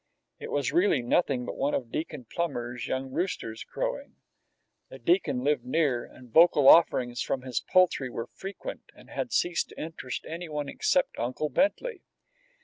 It was really nothing but one of Deacon Plummer's young roosters crowing. The Deacon lived near, and vocal offerings from his poultry were frequent and had ceased to interest any one except Uncle Bentley.